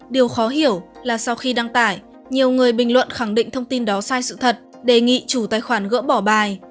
điều khó hiểu là sau khi đăng tải nhiều người bình luận khẳng định thông tin đó sai sự thật đề nghị chủ tài khoản gỡ bỏ bài